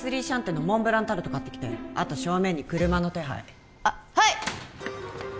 シャンテのモンブランタルト買ってきてあと正面に車の手配あっはい！